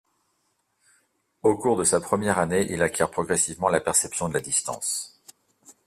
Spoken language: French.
Au cours de sa première année, il acquiert progressivement la perception de la distance.